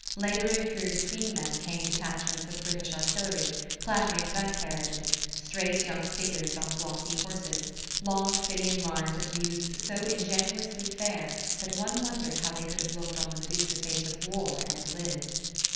Labouring through between them came detachments of British artillery, clattering gun carriages, straight young figures on glossy horses, long Phidian lines of youths so ingenuously fair that one wondered how they could have looked on the Medusa face of war and lived.